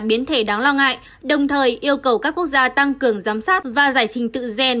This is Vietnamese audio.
biến thể đáng lo ngại đồng thời yêu cầu các quốc gia tăng cường giám sát và giải trình tự gen